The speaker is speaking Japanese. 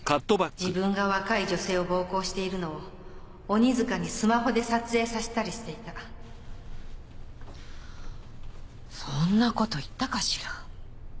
自分が若い女性を暴行しているのを鬼塚にスマホで撮影させたりしていたそんなこと言ったかしら。